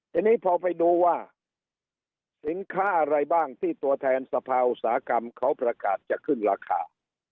ทีนี้พอไปดูว่าสินค้าอะไรบ้างที่ตัวแทนสภาอุตสาหกรรมเขาประกาศจะขึ้นราคา